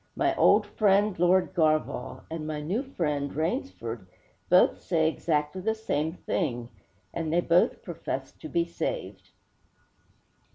'My old friend, Lord Garvagh, and my new friend, Rainsford, both say exactly the same thing; and they both profess to be saved.'